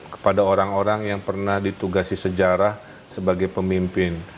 kepada orang orang yang pernah ditugasi sejarah sebagai pemimpin